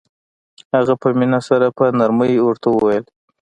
هغه په مينه سره په نرمۍ ورته وويل.